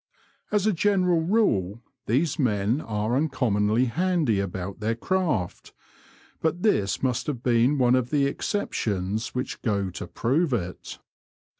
As a general rule, these men are uncommonly handy about their craft, but this must have been one of the exceptions which go to prove it.